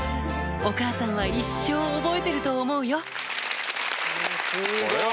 お母さんは一生覚えてると思うよすごい！